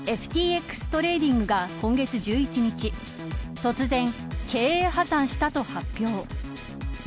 ＦＴＸトレーディングが今月１１日突然、経営破綻したと発表。